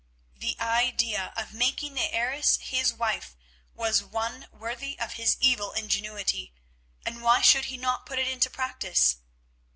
The idea of making the heiress his wife was one worthy of his evil ingenuity, and why should he not put it into practice?